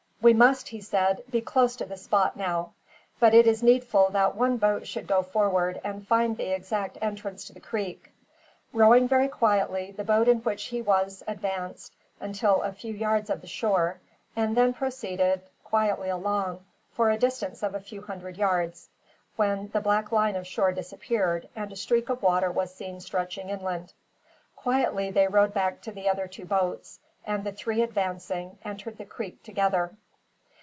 "We must," he said, "be close to the spot now; but it is needful that one boat should go forward, and find the exact entrance to the creek." Rowing very quietly, the boat in which he was advanced, until within a few yards of the shore; and then proceeded quietly along, for a distance of a few hundred yards, when the black line of shore disappeared, and a streak of water was seen stretching inland. Quietly they rowed back to the other two boats, and the three advancing, entered the creek together.